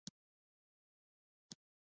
آیا د انټرنیټ بیه هلته لوړه نه ده؟